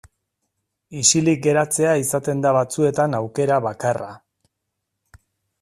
Isilik geratzea izaten da batzuetan aukera bakarra.